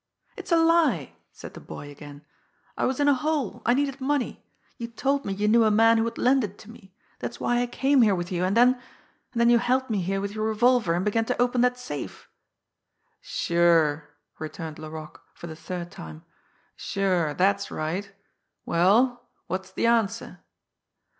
"It's a lie!" said the boy again. "I was in a hole. I needed money. You told me you knew a man who would lend it to me. That's why I came here with you, and then and then you held me here with your revolver, and began to open that safe." "Sure!" returned Laroque, for the third time. "Sure that's right! Well, what's the answer?"